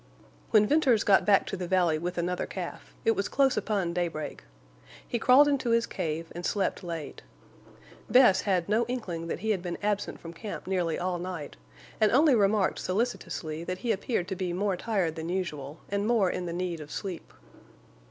When Venters got back to the valley with another calf, it was close upon daybreak. He crawled into his cave and slept late. Bess had no inkling that he had been absent from camp nearly all night, and only remarked solicitously that he appeared to be more tired than usual, and more in the need of sleep.